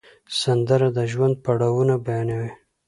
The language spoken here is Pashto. سندره د ژوند پړاوونه بیانوي